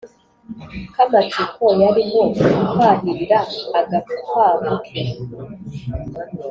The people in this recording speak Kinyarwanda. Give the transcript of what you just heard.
Kamatsiko yarimo kwahirira agakwavu ke.